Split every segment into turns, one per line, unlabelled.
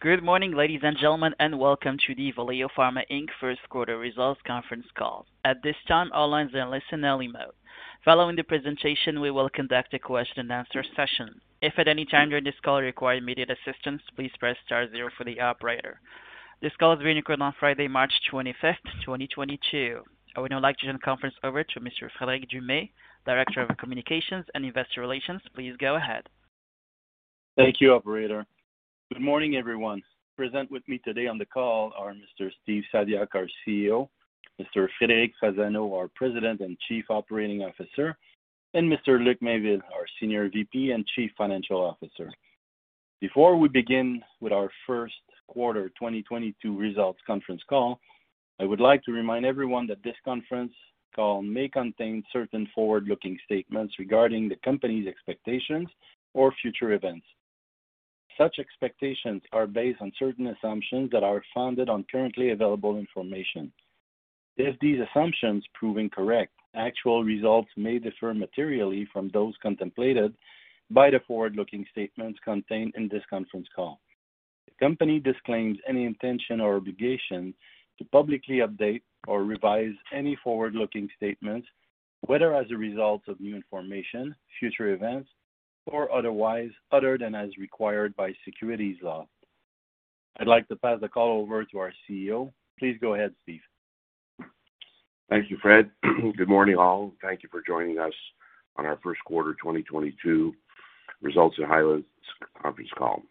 Good morning, ladies and gentlemen, and welcome to the Valeo Pharma Inc first quarter results conference call. At this time, all lines are in listen-only mode. Following the presentation, we will conduct a question and answer session. If at any time during this call you require immediate assistance, please press star zero for the operator. This call is being recorded on Friday, March 25th, 2022. I would now like to turn the conference over to Mr. Frédéric Dumais, Director of Communications and Investor Relations. Please go ahead.
Thank you, operator. Good morning, everyone. Present with me today on the call are Mr. Steve Saviuk, our CEO, Mr. Frederic Fasano, our President and Chief Operating Officer, and Mr. Luc Mainville, our Senior VP and Chief Financial Officer. Before we begin with our first quarter 2022 results conference call, I would like to remind everyone that this conference call may contain certain forward-looking statements regarding the company's expectations or future events. Such expectations are based on certain assumptions that are founded on currently available information. If these assumptions prove incorrect, actual results may differ materially from those contemplated by the forward-looking statements contained in this conference call. The company disclaims any intention or obligation to publicly update or revise any forward-looking statements, whether as a result of new information, future events, or otherwise, other than as required by securities law. I'd like to pass the call over to our CEO. Please go ahead, Steve.
Thank you, Fred. Good morning, all, and thank you for joining us on our first quarter 2022 results and highlights conference call.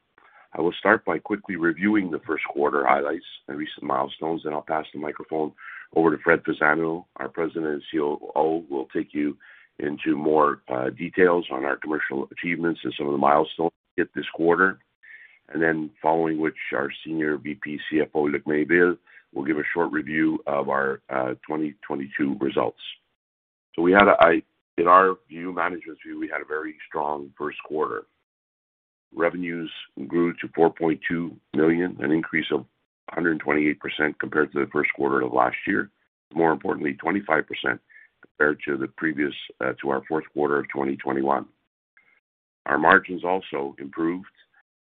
I will start by quickly reviewing the first quarter highlights and recent milestones, then I'll pass the microphone over to Fred Fasano. Our President and COO will take you into more details on our commercial achievements and some of the milestones hit this quarter. Following which our Senior VP and CFO, Luc Mainville, will give a short review of our 2022 results. In our view, management's view, we had a very strong first quarter. Revenues grew to 4.2 million, an increase of 128% compared to the first quarter of last year. More importantly, 25% compared to the previous to our fourth quarter of 2021. Our margins also improved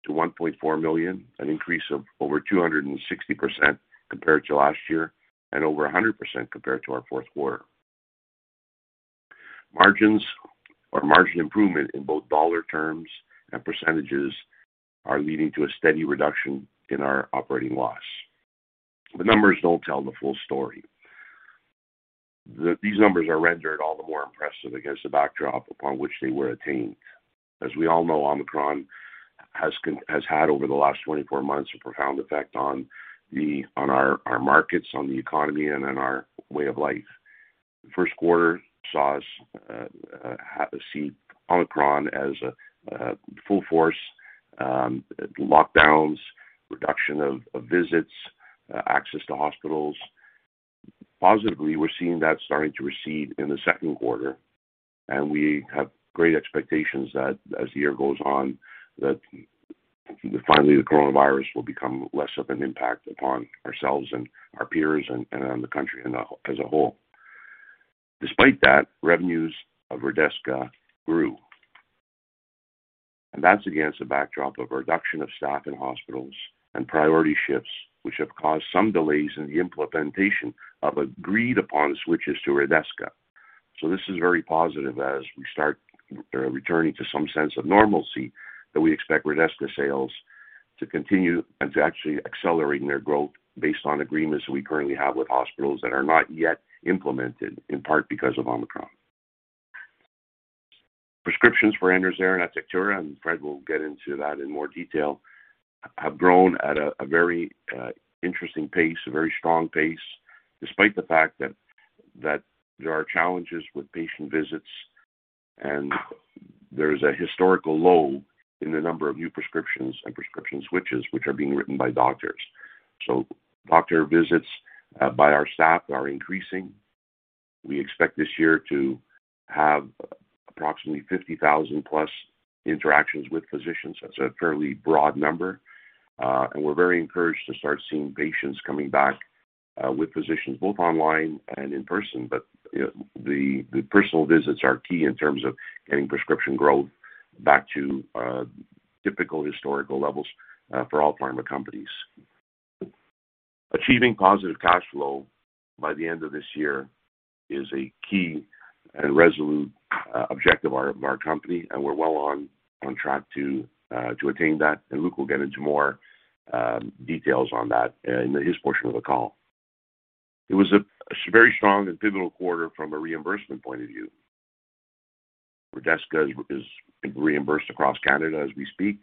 to 1.4 million, an increase of over 260% compared to last year and over 100% compared to our fourth quarter. Margins or margin improvement in both dollar terms and percentages are leading to a steady reduction in our operating loss. The numbers don't tell the full story. These numbers are rendered all the more impressive against the backdrop upon which they were attained. As we all know, Omicron has had over the last 24 months a profound effect on our markets, on the economy, and on our way of life. The first quarter saw us see Omicron at full force, lockdowns, reduction of visits, access to hospitals. Positively, we're seeing that starting to recede in the second quarter, and we have great expectations that as the year goes on, that finally the coronavirus will become less of an impact upon ourselves and our peers and on the country as a whole. Despite that, revenues of Redesca grew, and that's against the backdrop of a reduction of staff in hospitals and priority shifts, which have caused some delays in the implementation of agreed-upon switches to Redesca. This is very positive as we start returning to some sense of normalcy that we expect Redesca sales to continue and to actually accelerating their growth based on agreements we currently have with hospitals that are not yet implemented, in part because of Omicron. Prescriptions for Enerzair and Atectura, and Fred will get into that in more detail, have grown at a very interesting pace, a very strong pace, despite the fact that there are challenges with patient visits and there's a historical low in the number of new prescriptions and prescription switches which are being written by doctors. Doctor visits by our staff are increasing. We expect this year to have approximately 50,000+ interactions with physicians. That's a fairly broad number. We're very encouraged to start seeing patients coming back with physicians both online and in person. You know, the personal visits are key in terms of getting prescription growth back to typical historical levels for all pharma companies. Achieving positive cash flow by the end of this year is a key and resolute objective of our company, and we're well on track to attain that. Luc will get into more details on that in his portion of the call. It was a very strong and pivotal quarter from a reimbursement point of view. Redesca is reimbursed across Canada as we speak.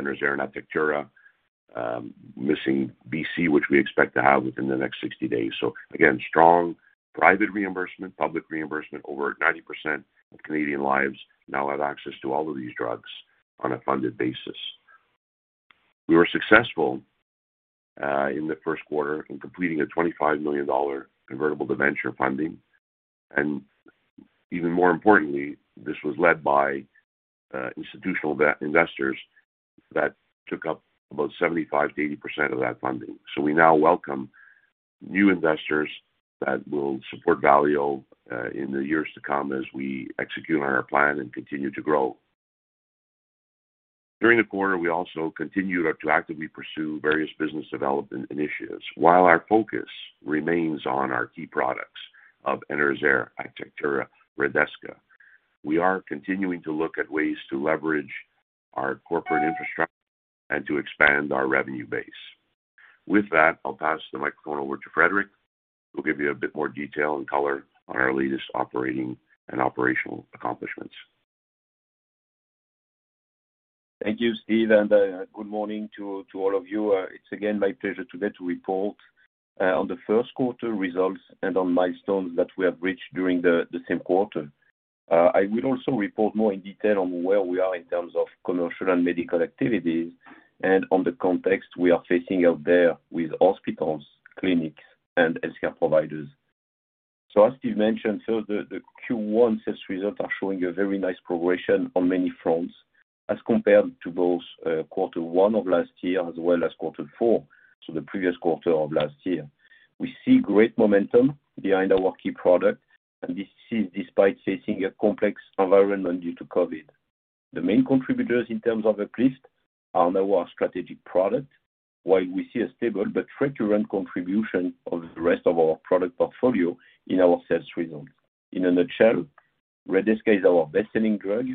Enerzair and Atectura, missing BC, which we expect to have within the next 60 days. Again, strong private reimbursement, public reimbursement. Over 90% of Canadian lives now have access to all of these drugs on a funded basis. We were successful in the first quarter in completing a 25 million dollar convertible debenture funding, and even more importantly, this was led by institutional debt investors that took up about 75%-80% of that funding. We now welcome new investors that will support Valeo in the years to come as we execute on our plan and continue to grow. During the quarter, we also continued to actively pursue various business development initiatives. While our focus remains on our key products of Enerzair, Atectura, Redesca, we are continuing to look at ways to leverage our corporate infrastructure and to expand our revenue base. With that, I'll pass the microphone over to Frederic, who will give you a bit more detail and color on our latest operating and operational accomplishments.
Thank you, Steve, and good morning to all of you. It's again my pleasure today to report on the first quarter results and on milestones that we have reached during the same quarter. I will also report more in detail on where we are in terms of commercial and medical activities and on the context we are facing out there with hospitals, clinics, and healthcare providers. As Steve mentioned, the Q1 sales results are showing a very nice progression on many fronts as compared to those quarter one of last year, as well as quarter four, the previous quarter of last year. We see great momentum behind our key product, and this is despite facing a complex environment due to COVID. The main contributors in terms of uplift are now our strategic product, while we see a stable but frequent contribution of the rest of our product portfolio in our sales results. In a nutshell, Redesca is our best-selling drug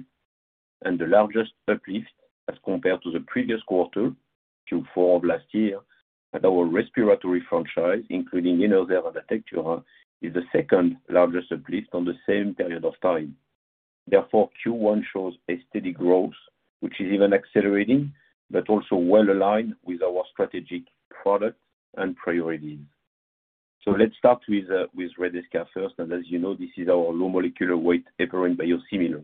and the largest uplift as compared to the previous quarter, Q4 of last year. Our respiratory franchise, including Enerzair and Atectura, is the second-largest uplift on the same period of time. Therefore, Q1 shows a steady growth, which is even accelerating, but also well-aligned with our strategic products and priorities. Let's start with Redesca first, and as you know, this is our low molecular weight heparin biosimilar.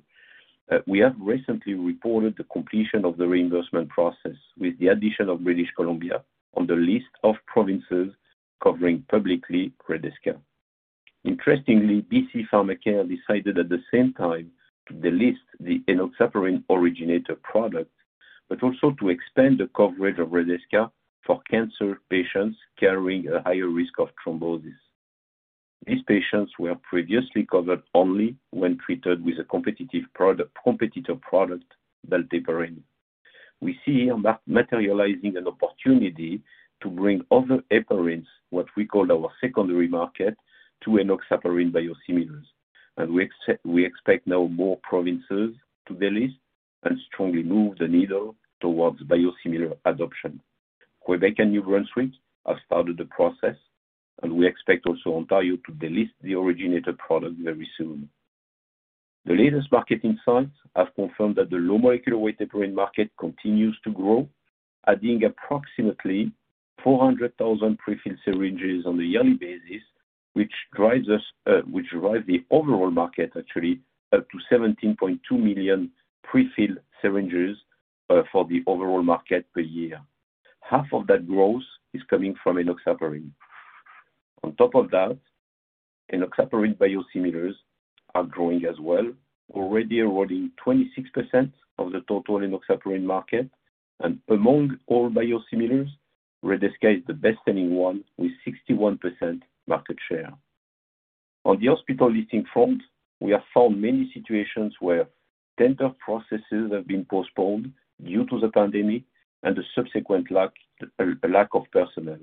We have recently reported the completion of the reimbursement process with the addition of British Columbia on the list of provinces covering publicly Redesca. Interestingly, BC PharmaCare decided at the same time to delist the enoxaparin originator product, but also to expand the coverage of Redesca for cancer patients carrying a higher risk of thrombosis. These patients were previously covered only when treated with a competitive product, dalteparin. We see here materializing an opportunity to bring other heparins, what we call our secondary market, to enoxaparin biosimilars. We expect now more provinces to delist and strongly move the needle towards biosimilar adoption. Québec and New Brunswick have started the process, and we expect also Ontario to delist the originator product very soon. The latest market insights have confirmed that the low molecular weight heparin market continues to grow, adding approximately 400,000 prefilled syringes on a yearly basis, which drive the overall market actually up to 17.2 million prefilled syringes for the overall market per year. Half of that growth is coming from enoxaparin. On top of that, enoxaparin biosimilars are growing as well, already awarding 26% of the total enoxaparin market. Among all biosimilars, Redesca is the best-selling one with 61% market share. On the hospital listing front, we have found many situations where tender processes have been postponed due to the pandemic and the subsequent lack of personnel.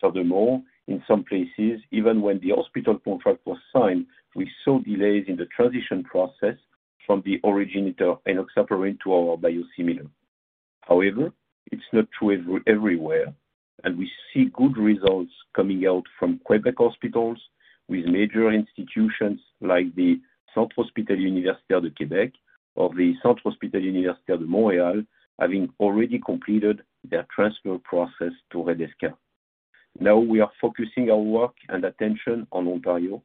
Furthermore, in some places, even when the hospital contract was signed, we saw delays in the transition process from the originator enoxaparin to our biosimilar. However, it's not true everywhere, and we see good results coming out from Québec hospitals with major institutions like the Centre hospitalier universitaire de Québec or the Centre hospitalier de l'Université de Montréal having already completed their transfer process to Redesca. Now we are focusing our work and attention on Ontario,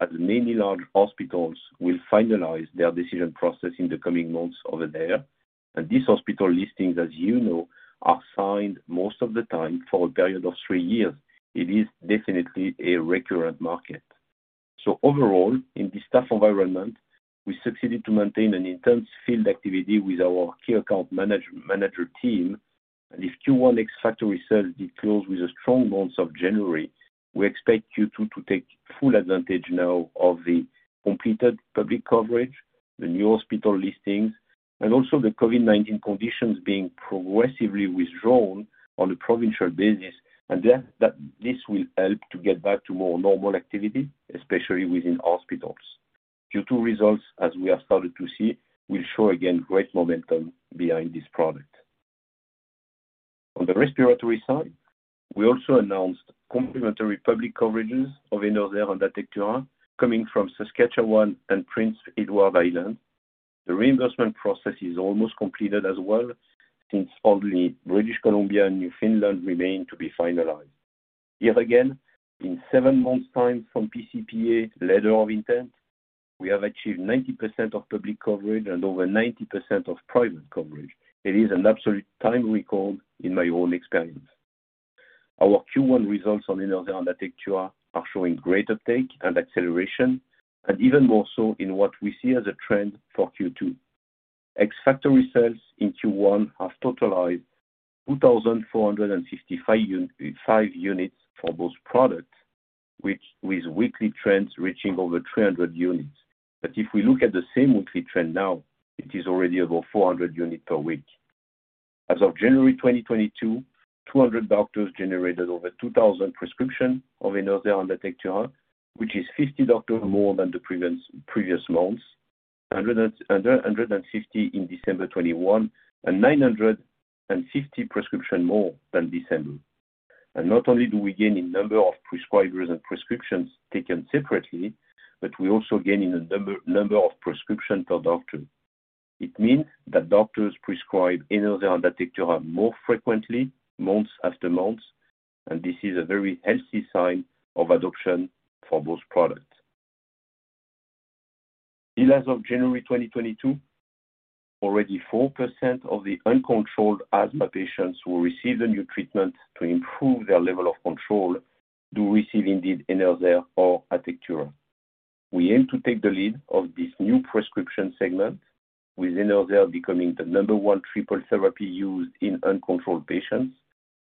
as many large hospitals will finalize their decision process in the coming months over there. These hospital listings, as you know, are signed most of the time for a period of three years. It is definitely a recurrent market. Overall, in this tough environment, we succeeded to maintain an intense field activity with our key account manager team. If Q1 ex-factory sales did close with a strong month of January, we expect Q2 to take full advantage now of the completed public coverage, the new hospital listings, and also the COVID-19 conditions being progressively withdrawn on a provincial basis. That this will help to get back to more normal activity, especially within hospitals. Q2 results, as we have started to see, will show again great momentum behind this product. On the respiratory side, we also announced complementary public coverages of Enerzair and Atectura coming from Saskatchewan and Prince Edward Island. The reimbursement process is almost completed as well, since only British Columbia and Newfoundland remain to be finalized. Yet again, in seven months' time from PCPA letter of intent, we have achieved 90% of public coverage and over 90% of private coverage. It is an absolute time record in my own experience. Our Q1 results on Enerzair and Atectura are showing great uptake and acceleration, and even more so in what we see as a trend for Q2. Ex-factory sales in Q1 have totalized 2,465 units for those products, which with weekly trends reaching over 300 units. If we look at the same weekly trend now, it is already above 400 units per week. As of January 2022, 200 doctors generated over 2,000 prescriptions of Enerzair and Atectura, which is 50 doctors more than the previous months. 160 in December 2021, and 950 prescriptions more than December. Not only do we gain in number of prescribers and prescriptions taken separately, but we also gain in the number of prescriptions per doctor. It means that doctors prescribe Enerzair and Atectura more frequently months after months, and this is a very healthy sign of adoption for those products. As of January 2022, already 4% of the uncontrolled asthma patients who receive a new treatment to improve their level of control do receive indeed Enerzair or Atectura. We aim to take the lead of this new prescription segment with Enerzair becoming the number one triple therapy used in uncontrolled patients,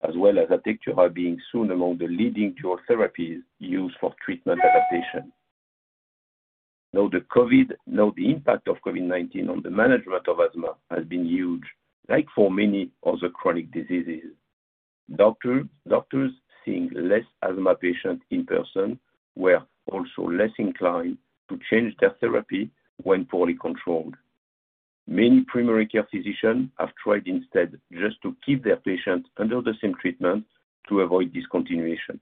as well as Atectura being soon among the leading dual therapies used for treatment adaptation. Now, the COVID, now the impact of COVID-19 on the management of asthma has been huge, like for many other chronic diseases. Doctors seeing less asthma patients in person were also less inclined to change their therapy when poorly controlled. Many primary care physicians have tried instead just to keep their patients under the same treatment to avoid discontinuation.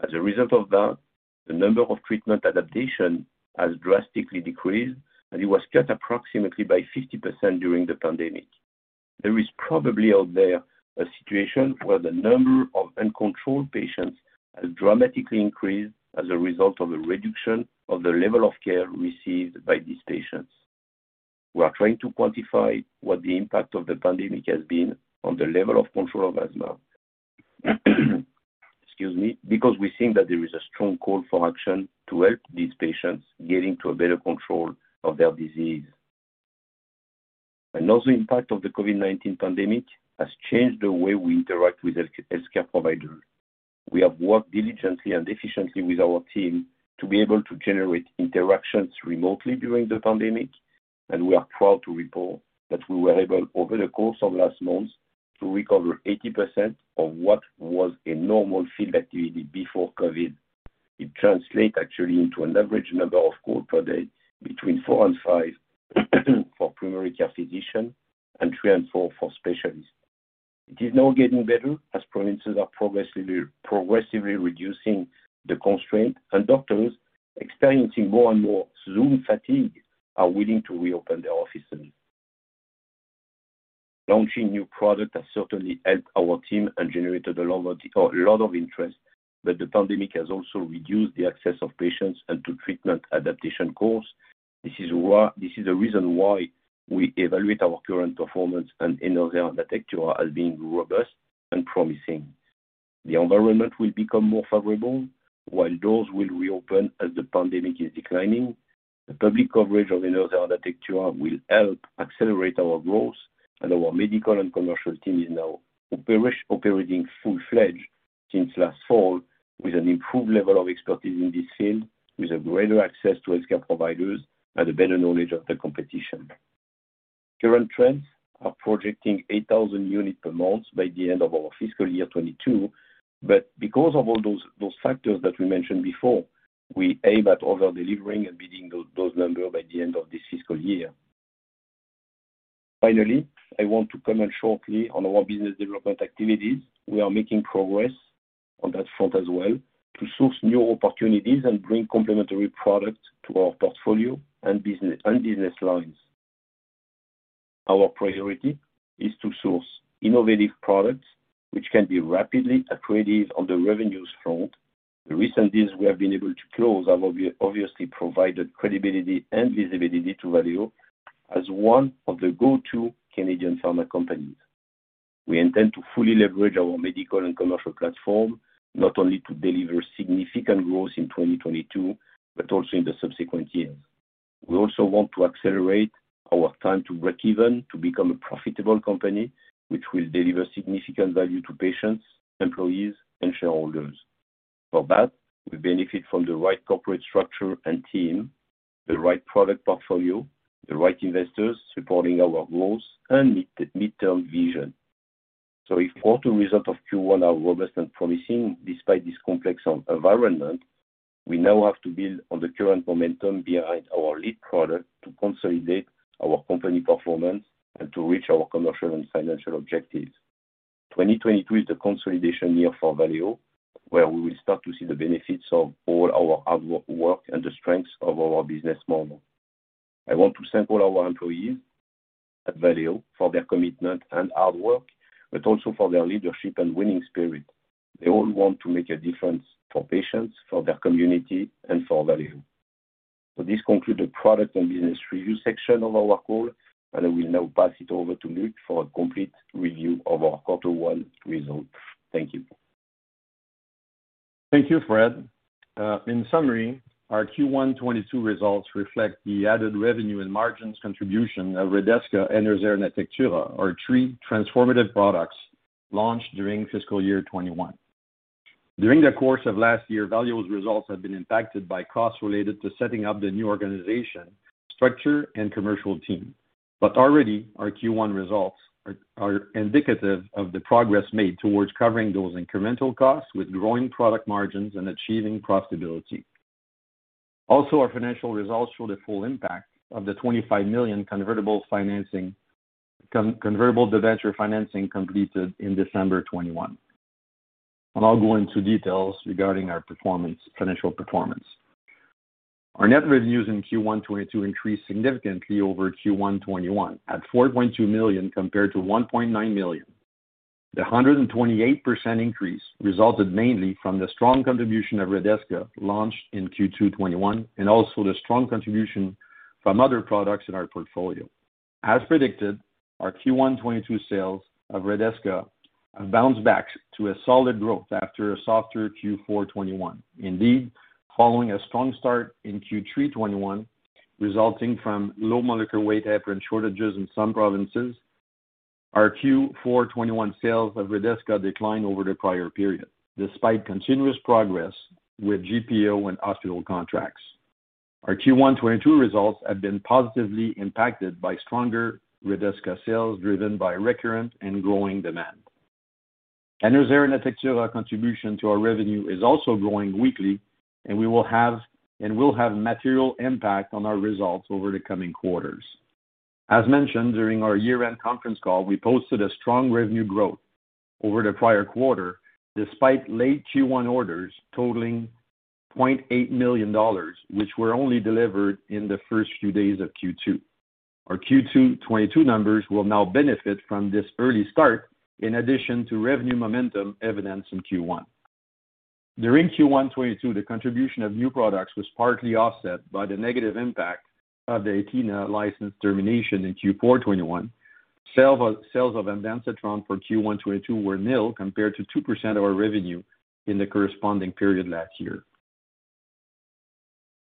As a result of that, the number of treatment adaptations has drastically decreased, and it was cut approximately by 50% during the pandemic. There is probably out there a situation where the number of uncontrolled patients has dramatically increased as a result of a reduction of the level of care received by these patients. We are trying to quantify what the impact of the pandemic has been on the level of control of asthma. Excuse me. Because we think that there is a strong call for action to help these patients getting to a better control of their disease. Another impact of the COVID-19 pandemic has changed the way we interact with the healthcare providers. We have worked diligently and efficiently with our team to be able to generate interactions remotely during the pandemic, and we are proud to report that we were able, over the course of last month, to recover 80% of what was a normal field activity before COVID. It translates actually into an average number of calls per day between four and five for primary care physicians and three and four for specialists. It is now getting better as provinces are progressively reducing the constraint, and doctors experiencing more and more Zoom fatigue are willing to reopen their offices. Launching new products has certainly helped our team and generated a lot of interest, but the pandemic has also reduced the access of patients and to treatment adaptation course. This is the reason why we evaluate our current performance and Enerzair and Atectura as being robust and promising. The environment will become more favorable while doors will reopen as the pandemic is declining. The public coverage of Enerzair and Atectura will help accelerate our growth. Our medical and commercial team is now operating full-fledged since last fall with an improved level of expertise in this field, with a greater access to healthcare providers, and a better knowledge of the competition. Current trends are projecting 8,000 units per month by the end of our fiscal year 2022, but because of all those factors that we mentioned before, we aim at over-delivering and beating those numbers by the end of this fiscal year. Finally, I want to comment shortly on our business development activities. We are making progress on that front as well to source new opportunities and bring complementary products to our portfolio and business, and business lines. Our priority is to source innovative products which can be rapidly accretive on the revenues front. The recent deals we have been able to close have obviously provided credibility and visibility to Valeo as one of the go-to Canadian pharma companies. We intend to fully leverage our medical and commercial platform, not only to deliver significant growth in 2022, but also in the subsequent years. We also want to accelerate our time to breakeven to become a profitable company, which will deliver significant value to patients, employees, and shareholders. For that, we benefit from the right corporate structure and team, the right product portfolio, the right investors supporting our growth and mid-term vision. If quarter results of Q1 are robust and promising despite this complex environment, we now have to build on the current momentum behind our lead product to consolidate our company performance and to reach our commercial and financial objectives. 2022 is the consolidation year for Valeo, where we will start to see the benefits of all our hard work and the strengths of our business model. I want to thank all our employees at Valeo for their commitment and hard work, but also for their leadership and winning spirit. They all want to make a difference for patients, for their community, and for Valeo. This concludes the product and business review section of our call, and I will now pass it over to Luc for a complete review of our quarter one results. Thank you.
Thank you, Fred. In summary, our Q1 2022 results reflect the added revenue and margins contribution of Redesca and Enerzair and Atectura, our three transformative products launched during fiscal year 2021. During the course of last year, Valeo's results have been impacted by costs related to setting up the new organization, structure and commercial team. Already, our Q1 2022 results are indicative of the progress made towards covering those incremental costs with growing product margins and achieving profitability. Also, our financial results show the full impact of the 25 million convertible debenture financing completed in December 2021. I'll go into details regarding our performance, financial performance. Our net revenues in Q1 2022 increased significantly over Q1 2021 at 4.2 million compared to 1.9 million. The 128% increase resulted mainly from the strong contribution of Redesca, launched in Q2 2021, and also the strong contribution from other products in our portfolio. As predicted, our Q1 2022 sales of Redesca have bounced back to a solid growth after a softer Q4 2021. Indeed, following a strong start in Q3 2021, resulting from low molecular weight heparin shortages in some provinces, our Q4 2021 sales of Redesca declined over the prior period, despite continuous progress with GPO and hospital contracts. Our Q1 2022 results have been positively impacted by stronger Redesca sales, driven by recurrent and growing demand. Enerzair and Atectura contribution to our revenue is also growing weekly, and we will have material impact on our results over the coming quarters. As mentioned during our year-end conference call, we posted a strong revenue growth over the prior quarter, despite late Q1 orders totaling 0.8 million dollars, which were only delivered in the first few days of Q2. Our Q2 2022 numbers will now benefit from this early start in addition to revenue momentum evidenced in Q1. During Q1 2022, the contribution of new products was partly offset by the negative impact of the Atiena license termination in Q4 2021. Sales of Aemcolo for Q1 2022 were nil compared to 2% of our revenue in the corresponding period last year.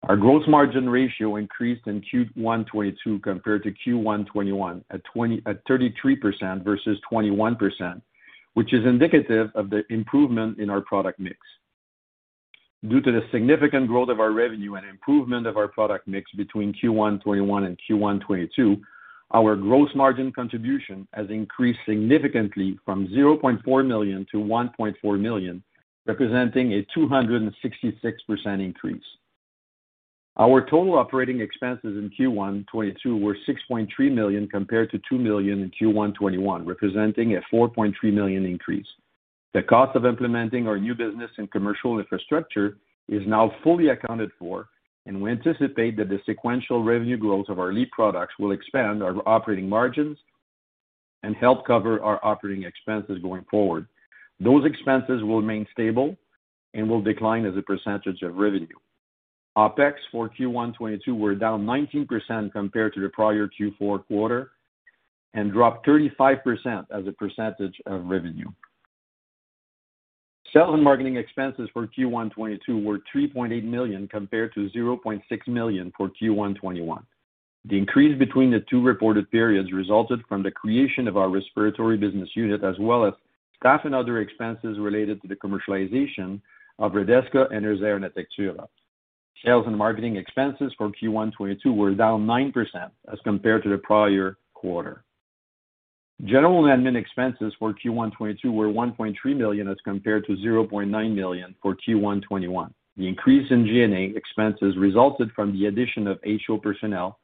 Our gross margin ratio increased in Q1 2022 compared to Q1 2021 at 33% versus 21%, which is indicative of the improvement in our product mix. Due to the significant growth of our revenue and improvement of our product mix between Q1 2021 and Q1 2022, our gross margin contribution has increased significantly from 0.4 million-1.4 million, representing a 266% increase. Our total operating expenses in Q1 2022 were 6.3 million compared to 2 million in Q1 2021, representing a 4.3 million increase. The cost of implementing our new business and commercial infrastructure is now fully accounted for, and we anticipate that the sequential revenue growth of our lead products will expand our operating margins and help cover our operating expenses going forward. Those expenses will remain stable and will decline as a percentage of revenue. OPEX for Q1 2022 were down 19% compared to the prior Q4 quarter and dropped 35% as a percentage of revenue. Sales and marketing expenses for Q1 2022 were CAD 3.8 million compared to CAD 0.6 million for Q1 2021. The increase between the two reported periods resulted from the creation of our respiratory business unit as well as staff and other expenses related to the commercialization of Redesca and Enerzair and Atectura. Sales and marketing expenses for Q1 2022 were down 9% as compared to the prior quarter. General admin expenses for Q1 2022 were 1.3 million as compared to 0.9 million for Q1 2021. The increase in G&A expenses resulted from the addition of HO personnel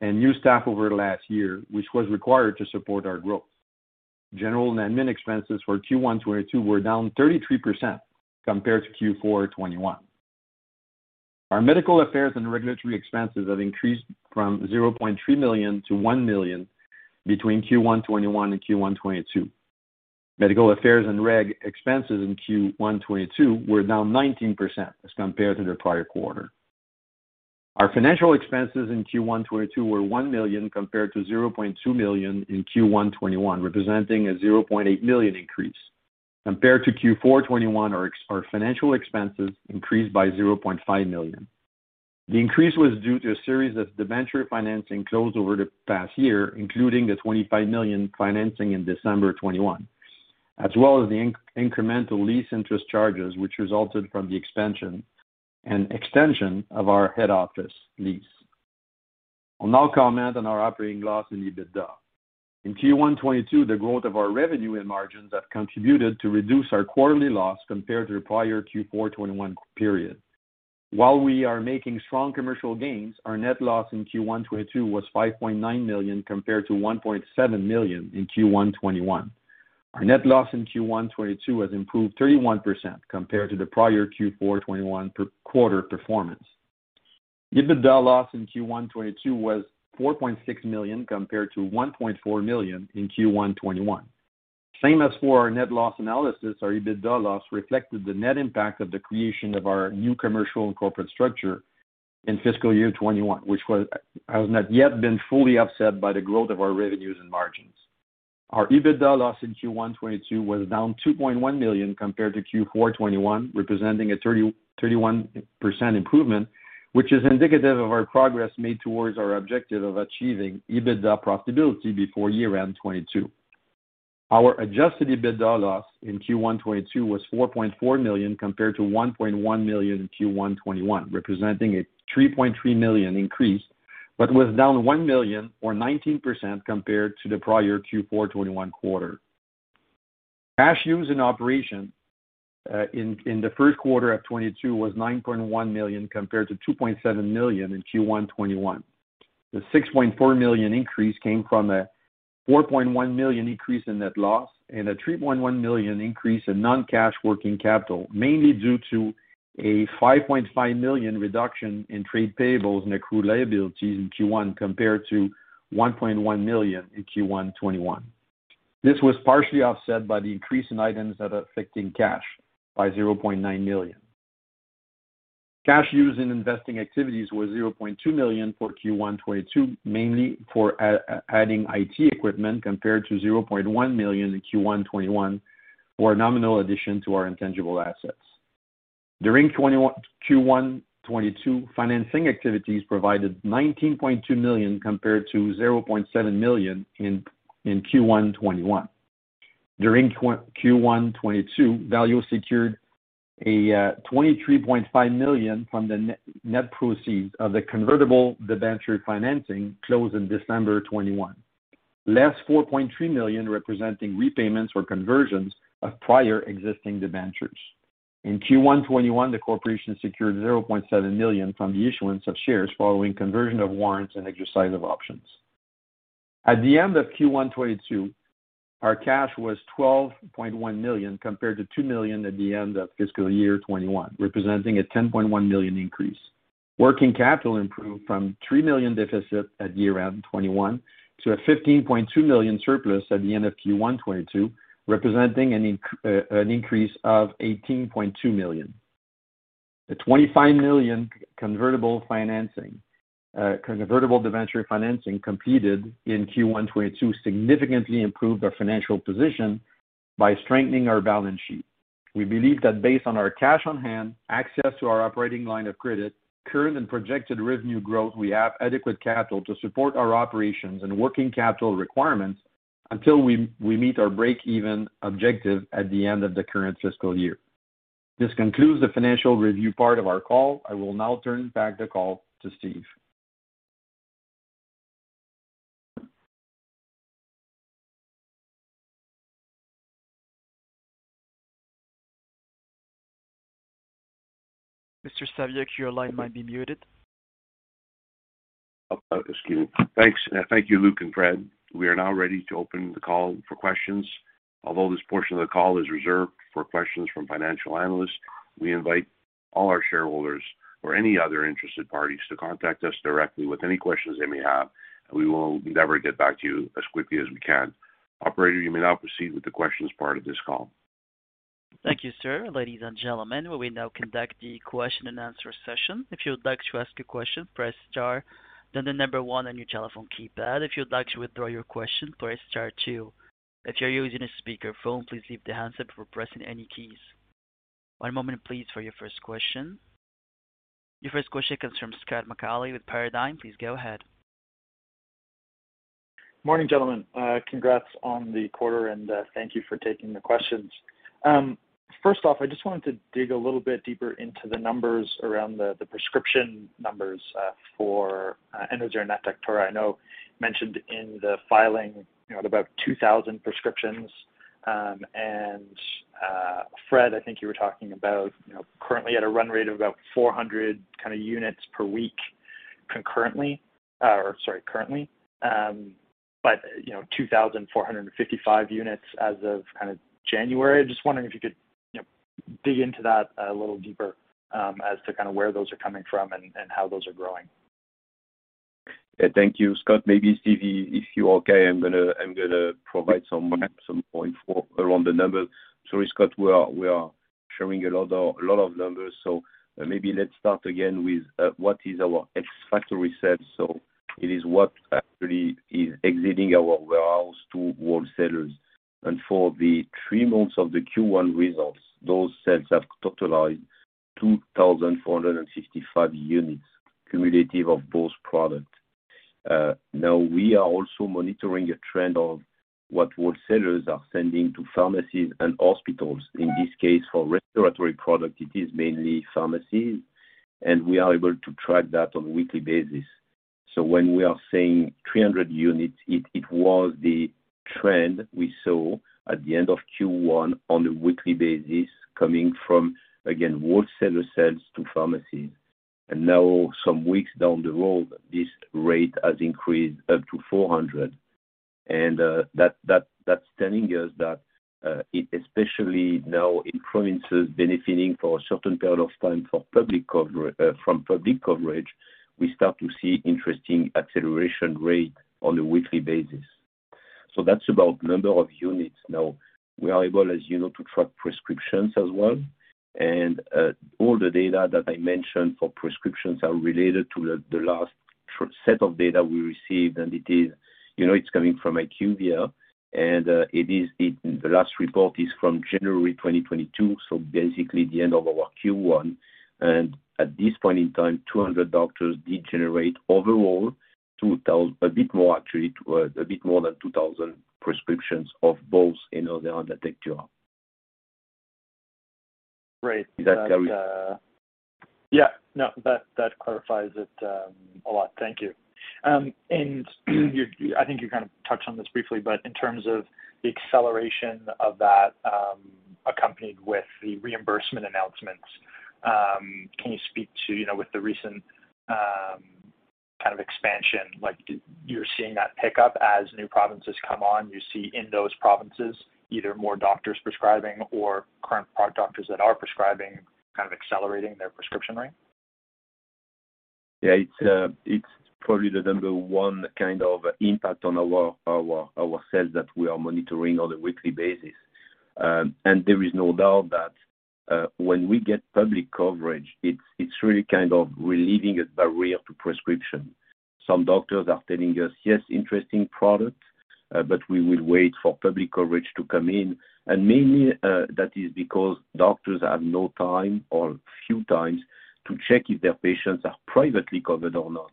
and new staff over the last year, which was required to support our growth. General admin expenses for Q1 2022 were down 33% compared to Q4 2021. Our medical affairs and regulatory expenses have increased from 0.3 million-1 million between Q1 2021 and Q1 2022. Medical affairs and reg expenses in Q1 2022 were down 19% as compared to the prior quarter. Our financial expenses in Q1 2022 were 1 million compared to 0.2 million in Q1 2021, representing a 0.8 million increase. Compared to Q4 2021 our financial expenses increased by 0.5 million. The increase was due to a series of debenture financing closed over the past year, including the 25 million financing in December 2021, as well as the incremental lease interest charges which resulted from the expansion and extension of our head office lease. I'll now comment on our operating loss in EBITDA. In Q1 2022, the growth of our revenue and margins have contributed to reduce our quarterly loss compared to the prior Q4 2021 period. While we are making strong commercial gains, our net loss in Q1 2022 was 5.9 million compared to 1.7 million in Q1 2021. Our net loss in Q1 2022 has improved 31% compared to the prior Q4 2021 per quarter performance. EBITDA loss in Q1 2022 was 4.6 million compared to 1.4 million in Q1 2021. Same as for our net loss analysis, our EBITDA loss reflected the net impact of the creation of our new commercial and corporate structure in fiscal year 2021, which has not yet been fully offset by the growth of our revenues and margins. Our EBITDA loss in Q1 2022 was down 2.1 million compared to Q4 2021, representing a 31% improvement, which is indicative of our progress made towards our objective of achieving EBITDA profitability before year-end 2022. Our adjusted EBITDA loss in Q1 2022 was 4.4 million, compared to 1.1 million in Q1 2021, representing a 3.3 million increase, but was down 1 million or 19% compared to the prior Q4 2021 quarter. Cash used in operations in the first quarter of 2022 was 9.1 million compared to 2.7 million in Q1 2021. The 6.4 million increase came from a 4.1 million increase in net loss and a 3.1 million increase in non-cash working capital, mainly due to a 5.5 million reduction in trade payables and accrued liabilities in Q1 2021, compared to 1.1 million in Q1 2021. This was partially offset by the increase in items that are affecting cash by 0.9 million. Cash used in investing activities was 0.2 million for Q1 2022, mainly for adding IT equipment compared to 0.1 million in Q1 2021 for a nominal addition to our intangible assets. During Q1 2022, financing activities provided 19.2 million compared to 0.7 million in Q1 2021. During Q1 2022, Valeo secured 23.5 million from the net proceeds of the convertible debenture financing closed in December 2021, less 4.3 million representing repayments or conversions of prior existing debentures. In Q1 2021, the corporation secured 0.7 million from the issuance of shares following conversion of warrants and exercise of options. At the end of Q1 2022, our cash was 12.1 million, compared to 2 million at the end of fiscal year 2021, representing a 10.1 million increase. Working capital improved from 3 million deficit at year-end 2021 to a 15.2 million surplus at the end of Q1 2022, representing an increase of 18.2 million. The 25 million convertible financing, convertible debenture financing completed in Q1 2022 significantly improved our financial position by strengthening our balance sheet. We believe that based on our cash on hand, access to our operating line of credit, current and projected revenue growth, we have adequate capital to support our operations and working capital requirements until we meet our break-even objective at the end of the current fiscal year. This concludes the financial review part of our call. I will now turn back the call to Steve.
Mr. Saviuk, your line might be muted.
Excuse me. Thanks. Thank you, Luc and Fred. We are now ready to open the call for questions. Although this portion of the call is reserved for questions from financial analysts, we invite all our shareholders or any other interested parties to contact us directly with any questions they may have. We will endeavor to get back to you as quickly as we can. Operator, you may now proceed with the questions part of this call.
Thank you, sir. Ladies and gentlemen, we will now conduct the question and answer session. If you would like to ask a question, press star, then the number one on your telephone keypad. If you'd like to withdraw your question, press star two. If you're using a speakerphone, please lift the handset before pressing any keys. One moment please for your first question. Your first question comes from Scott McAuley with Paradigm. Please go ahead.
Morning, gentlemen. Congrats on the quarter, and thank you for taking the questions. First off, I just wanted to dig a little bit deeper into the numbers around the prescription numbers for Enerzair and Atectura. I know it's mentioned in the filing, you know, about 2,000 prescriptions. Fred, I think you were talking about, you know, currently at a run rate of about 400 units per week currently. You know, 2,455 units as of kind of January. Just wondering if you could, you know, dig into that a little deeper, as to where those are coming from and how those are growing.
Yeah. Thank you, Scott. Maybe Steve, if you're okay, I'm gonna provide some info around the numbers. Sorry, Scott, we are sharing a lot of numbers. Maybe let's start again with what is our ex-factory sales. It is what actually is exiting our warehouse to wholesalers. For the three months of the Q1 results, those sales have totalized 2,455 units cumulative of both products. Now we are also monitoring a trend of what wholesalers are sending to pharmacies and hospitals. In this case, for respiratory product, it is mainly pharmacies, and we are able to track that on a weekly basis. When we are saying 300 units, it was the trend we saw at the end of Q1 on a weekly basis coming from, again, wholesaler sales to pharmacies. Now some weeks down the road, this rate has increased up to 400. That's telling us that, especially now in provinces benefiting from public coverage for a certain period of time, we start to see interesting acceleration rate on a weekly basis. That's about number of units. Now we are able, as you know, to track prescriptions as well. All the data that I mentioned for prescriptions are related to the last set of data we received and it is, you know, it's coming from IQVIA, and the last report is from January 2022, so basically the end of our Q1. At this point in time, 200 doctors did generate overall a bit more than 2000 prescriptions of both Enerzair and Atectura.
Great.
Is that clear?
Yeah. No, that clarifies it a lot. Thank you. And I think you kind of touched on this briefly, but in terms of the acceleration of that, accompanied with the reimbursement announcements, can you speak to, you know, with the recent kind of expansion, like you're seeing that pickup as new provinces come on, you see in those provinces either more doctors prescribing or current doctors that are prescribing kind of accelerating their prescription rate?
Yeah. It's probably the number one kind of impact on our sales that we are monitoring on a weekly basis. There is no doubt that when we get public coverage, it's really kind of relieving a barrier to prescription. Some doctors are telling us, "Yes, interesting product, but we will wait for public coverage to come in." Mainly, that is because doctors have no time or few times to check if their patients are privately covered or not.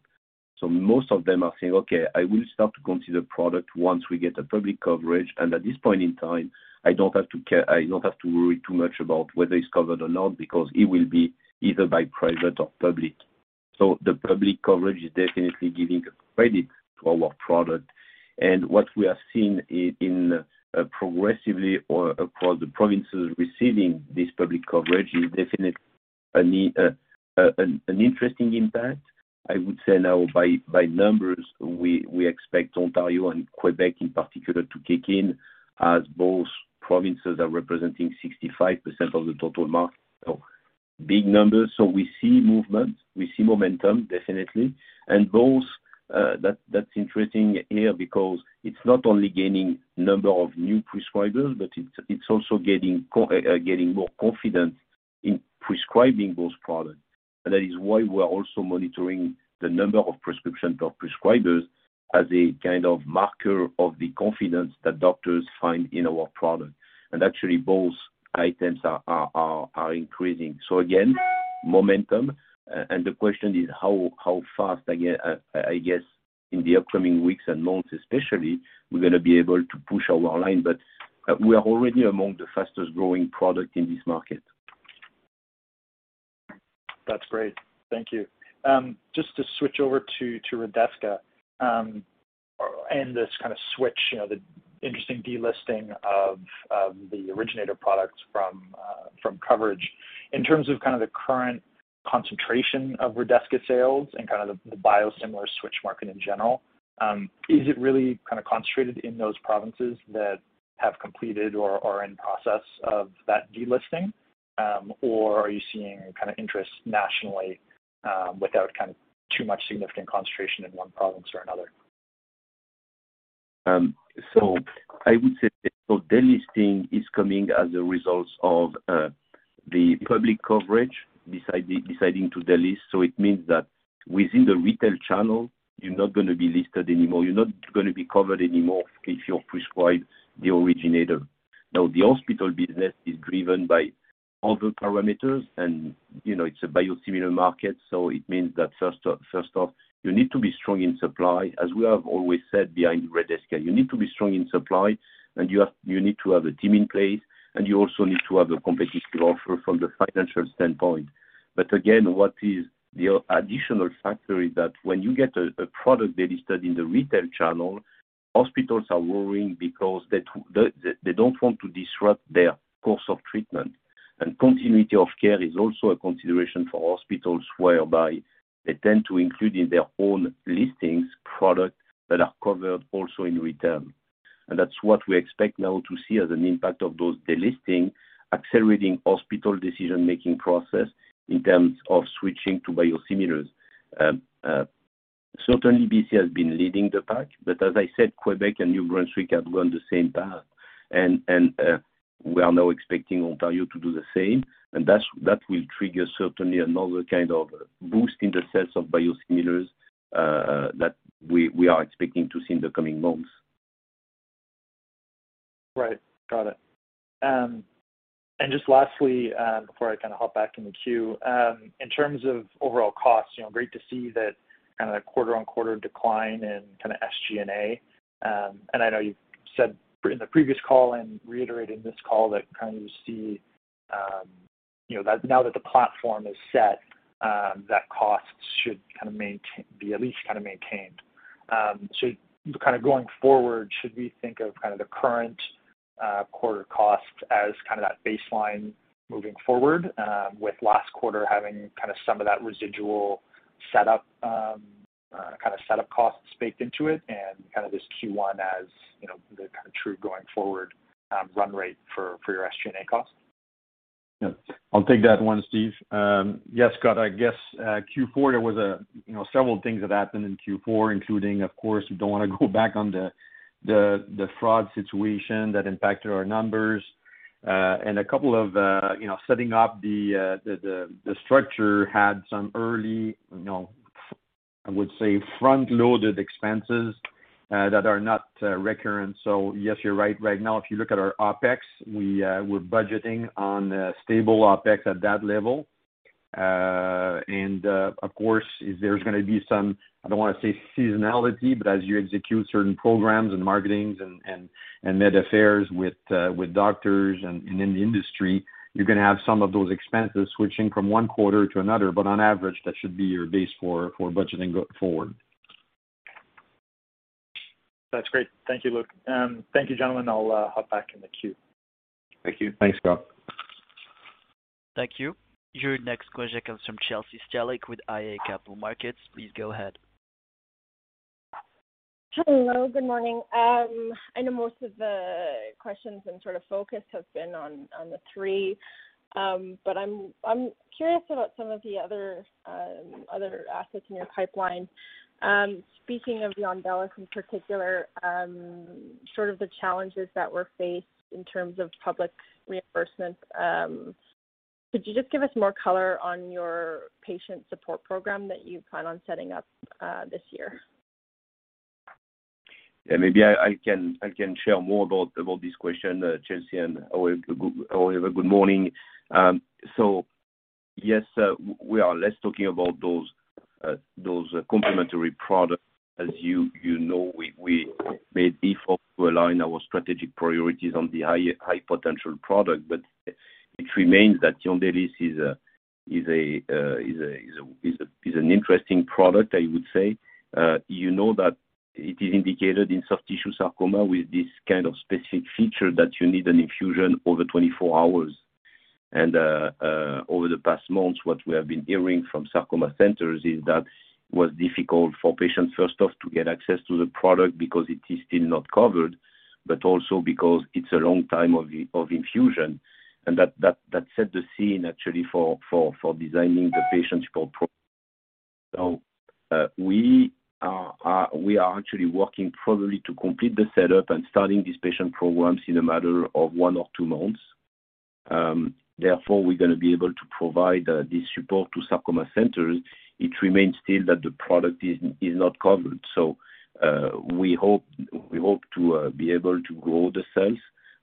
Most of them are saying, "Okay, I will start to consider product once we get a public coverage. At this point in time, I don't have to worry too much about whether it's covered or not because it will be either by private or public. The public coverage is definitely giving a credit to our product. What we have seen in progressively or across the provinces receiving this public coverage is definitely an interesting impact. I would say now by numbers, we expect Ontario and Québec in particular to kick in as both provinces are representing 65% of the total market. Big numbers. We see movement. We see momentum, definitely. That's interesting here because it's not only gaining number of new prescribers, but it's also getting more confidence in prescribing those products. That is why we are also monitoring the number of prescriptions of prescribers as a kind of marker of the confidence that doctors find in our product. Actually, both items are increasing. Again, momentum. The question is how fast I get, I guess in the upcoming weeks and months especially, we're gonna be able to push our line. We are already among the fastest-growing product in this market.
That's great. Thank you. Just to switch over to Redesca, and this kind of switch, you know, the interesting delisting of the originator products from coverage. In terms of kind of the current concentration of Redesca sales and kind of the biosimilar switch market in general, is it really kind of concentrated in those provinces that have completed or are in process of that delisting? Or are you seeing kind of interest nationally, without kind of too much significant concentration in one province or another?
I would say delisting is coming as a result of the public coverage deciding to delist. It means that within the retail channel, you're not gonna be listed anymore. You're not gonna be covered anymore if you're prescribed the originator. Now, the hospital business is driven by other parameters, and, you know, it's a biosimilar market, so it means that first off, you need to be strong in supply. As we have always said behind Redesca, you need to be strong in supply, and you need to have a team in place, and you also need to have a competitive offer from the financial standpoint. But again, what is the additional factor is that when you get a product delisted in the retail channel, hospitals are worrying because they don't want to disrupt their course of treatment. Continuity of care is also a consideration for hospitals, whereby they tend to include in their own listings products that are covered also in retail. That's what we expect now to see as an impact of those delisting, accelerating hospital decision-making process in terms of switching to biosimilars. Certainly BC has been leading the pack, but as I said, Québec and New Brunswick have gone the same path. We are now expecting Ontario to do the same, and that will trigger certainly another kind of boost in the sales of biosimilars, that we are expecting to see in the coming months.
Right. Got it. Just lastly, before I kind of hop back in the queue. In terms of overall costs, you know, great to see that kind of quarter-on-quarter decline in kind of SG&A. I know you've said in the previous call and reiterated in this call that kind of you see, you know, that now that the platform is set, that costs should kind of be at least kind of maintained. Going forward, should we think of kind of the current quarter costs as kind of that baseline moving forward, with last quarter having kind of some of that residual setup, kind of setup costs baked into it and kind of this Q1 as, you know, the kind of true going forward run rate for your SG&A costs?
Yeah. I'll take that one, Steve. Yes, Scott, I guess, Q4, there was, you know, several things that happened in Q4, including, of course, we don't want to go back on the fraud situation that impacted our numbers. A couple of, you know, setting up the structure had some early, you know, I would say front-loaded expenses that are not recurrent. Yes, you're right. Right now, if you look at our OpEx, we're budgeting on a stable OpEx at that level. Of course, if there's gonna be some, I don't wanna say seasonality, but as you execute certain programs and marketings and med affairs with doctors and in the industry, you're gonna have some of those expenses switching from one quarter to another. On average, that should be your base for budgeting go-forward.
That's great. Thank you, Luc. Thank you, gentlemen. I'll hop back in the queue.
Thank you.
Thanks, Scott.
Thank you. Your next question comes from Chelsea Stellick with iA Capital Markets. Please go ahead.
Hello, good morning. I know most of the questions and sort of focus have been on the three. I'm curious about some of the other assets in your pipeline. Speaking of Yondelis in particular, sort of the challenges that were faced in terms of public reimbursement, could you just give us more color on your patient support program that you plan on setting up this year?
Yeah, maybe I can share more about this question, Chelsea, and have a good morning. We are less talking about those complementary products. As you know, we made effort to align our strategic priorities on the high potential product. It remains that Yondelis is an interesting product, I would say. You know that it is indicated in soft tissue sarcoma with this kind of specific feature that you need an infusion over 24 hours. Over the past months, what we have been hearing from sarcoma centers is that it was difficult for patients, first off, to get access to the product because it is still not covered, but also because it's a long time of infusion. That set the scene actually for designing the patient support program. We are actually working probably to complete the setup and starting these patient programs in a matter of one or two months. Therefore, we're gonna be able to provide this support to sarcoma centers. It remains still that the product is not covered. We hope to be able to grow the sales,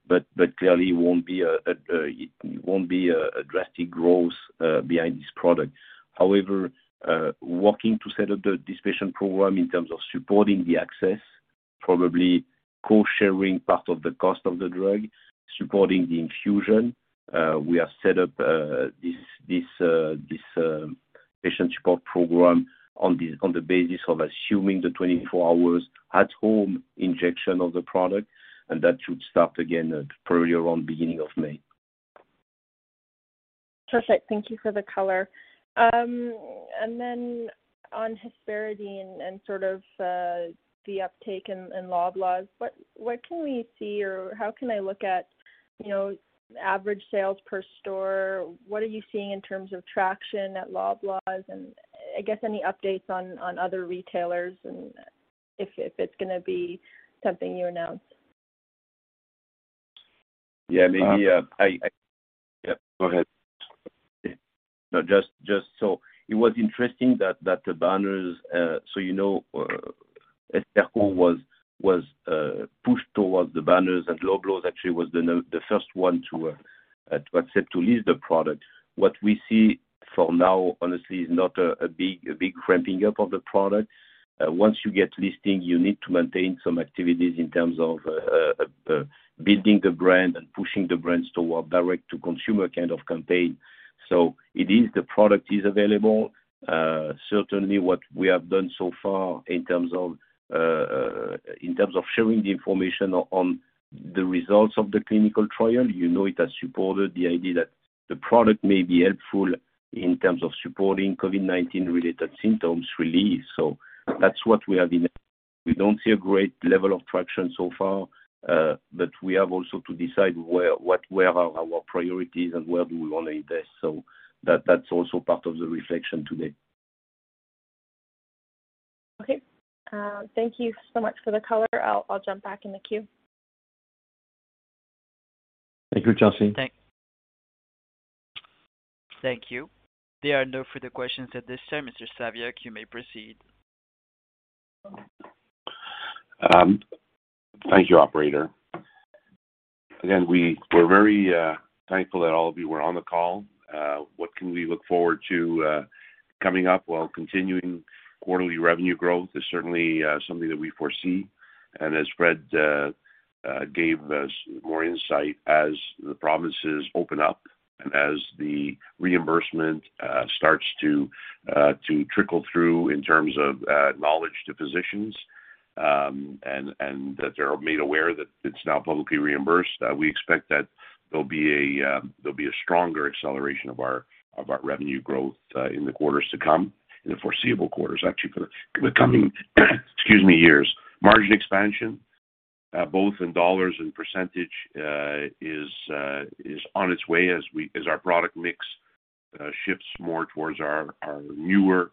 but clearly it won't be a drastic growth behind this product. However, working to set up this patient program in terms of supporting the access, probably co-sharing part of the cost of the drug, supporting the infusion, we have set up this patient support program on the basis of assuming the 24 hours at home injection of the product, and that should start again at probably around beginning of May.
Perfect. Thank you for the color. On Hesperco and sort of the uptake in Loblaws, what can we see or how can I look at, you know, average sales per store? What are you seeing in terms of traction at Loblaws? I guess any updates on other retailers and if it's gonna be something you announce.
Yeah. Maybe,
Go ahead.
No, just so it was interesting that the banners, so, you know, Hesperco was pushed towards the banners, and Loblaws actually was the first one to accept to list the product. What we see for now, honestly, is not a big ramping up of the product. Once you get listing, you need to maintain some activities in terms of building the brand and pushing the brands toward direct-to-consumer kind of campaign. It is, the product is available. Certainly what we have done so far in terms of sharing the information on the results of the clinical trial, you know, it has supported the idea that the product may be helpful in terms of supporting COVID-19 related symptoms relief. That's what we have been. We don't see a great level of traction so far, but we have also to decide where are our priorities and where do we want to invest. That's also part of the reflection today.
Okay. Thank you so much for the color. I'll jump back in the queue.
Thank you, Chelsea.
Thank you. There are no further questions at this time. Mr. Saviuk, you may proceed.
Thank you, operator. Again, we're very thankful that all of you were on the call. What can we look forward to coming up? Well, continuing quarterly revenue growth is certainly something that we foresee. As Fred gave us more insight, as the provinces open up and as the reimbursement starts to trickle through in terms of knowledge to physicians, and that they're made aware that it's now publicly reimbursed, we expect that there'll be a stronger acceleration of our revenue growth in the quarters to come, in the foreseeable quarters, actually, for the coming years. Margin expansion both in dollars and percentage is on its way as our product mix shifts more towards our newer,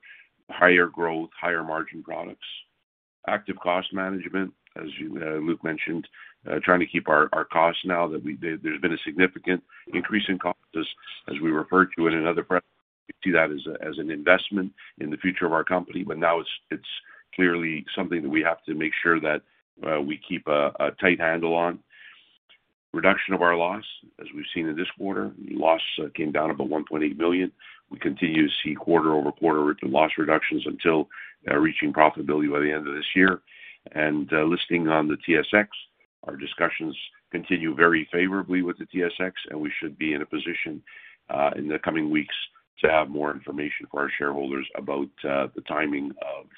higher growth, higher margin products. Active cost management, as you, Luc mentioned, trying to keep our costs now that we did. There's been a significant increase in costs as we referred to in another press. We see that as an investment in the future of our company. But now it's clearly something that we have to make sure that we keep a tight handle on. Reduction of our loss, as we've seen in this quarter. Loss came down about 1.8 million. We continue to see quarter-over-quarter loss reductions until reaching profitability by the end of this year. Listing on the TSX. Our discussions continue very favorably with the TSX, and we should be in a position in the coming weeks to have more information for our shareholders about the timing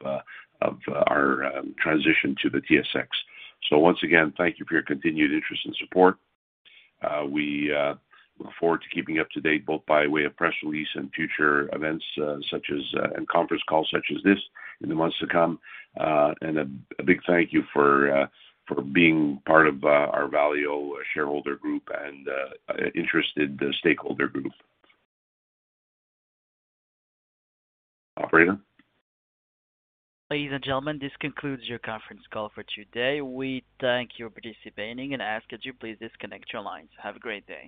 of our transition to the TSX. Once again, thank you for your continued interest and support. We look forward to keeping you up to date, both by way of press release and future events such as conference calls such as this in the months to come. A big thank you for being part of our Valeo shareholder group and interested stakeholder group. Operator?
Ladies and gentlemen, this concludes your conference call for today. We thank you for participating and ask that you please disconnect your lines. Have a great day.